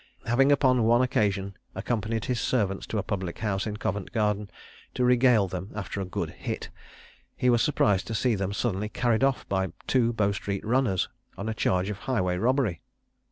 Having upon one occasion accompanied his servants to a public house in Covent Garden, to regale them after a "good hit," he was surprised to see them suddenly carried off by two Bow street runners on a charge of highway robbery.